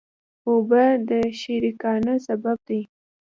اوبه د شکرانه سبب دي.